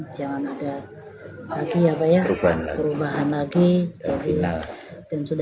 jangan ada lagi apa ya perubahan lagi jadi dan sudah final